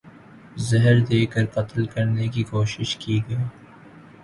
زہر دے کر قتل کرنے کی کوشش کی گئی